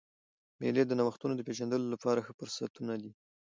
مېلې د نوښتو د پېژندلو له پاره ښه فرصتونه دي.